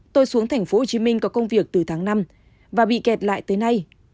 tôi xuống tp hcm có công việc từ tháng năm và bị kẹt lại tới nay